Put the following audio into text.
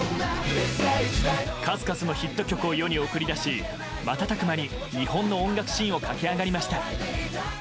数々のヒット曲を世に送り出し瞬く間に日本の音楽シーンを駆け上がりました。